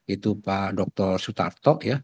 itu pak dr sutarto ya